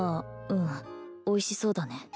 うんおいしそうだね